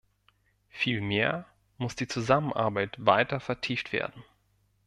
Vielmehr muss die Zusammenarbeit weiter vertieft werden.